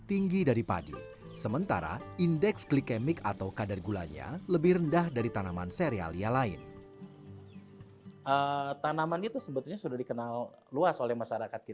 terima kasih mark